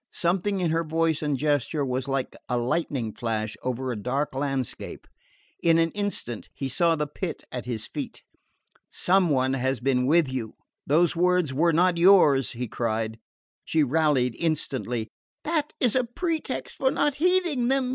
Something in her voice and gesture was like a lightning flash over a dark landscape. In an instant he saw the pit at his feet. "Some one has been with you. Those words were not yours," he cried. She rallied instantly. "That is a pretext for not heeding them!"